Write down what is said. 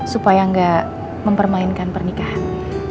supaya enggak mempermainkan pernikahan